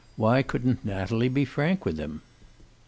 Why couldn't Natalie be frank with him?